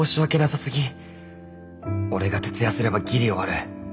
俺が徹夜すればギリ終わる。